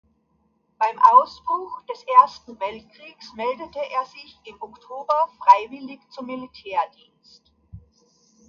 Beim Ausbruch des Ersten Weltkriegs meldete er sich im Oktober freiwillig zum Militärdienst.